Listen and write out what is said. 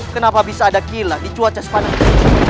kenapa bisa ada kila di cuaca sepanas ini